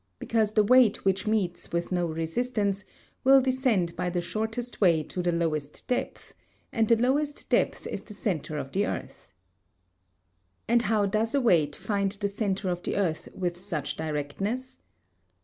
Because the weight which meets with no resistance will descend by the shortest way to the lowest depth, and the lowest depth is the centre of the earth. And how does a weight find the centre of the earth with such directness?